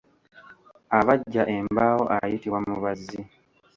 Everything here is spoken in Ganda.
Abajja embaawo ayitibwa mubazzi.